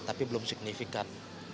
tapi belum signifikan